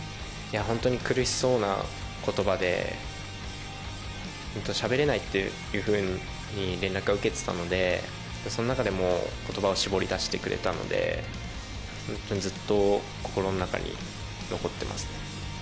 本当に苦しそうな言葉でしゃべれないっていうふうに連絡は受けていたのでそんな中でも言葉を絞り出してくれたので本当にずっと心の中に残ってますね。